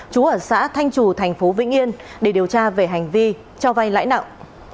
chú ở xã thanh trù thành phố vĩnh yên để điều tra về hành vi cho vay lãi nặng